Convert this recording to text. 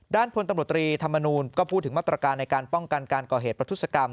พลตำรวจตรีธรรมนูลก็พูดถึงมาตรการในการป้องกันการก่อเหตุประทุศกรรม